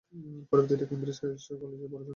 পরবর্তীতে কেমব্রিজের ক্রাইস্ট কলেজে পড়াশোনা করেন।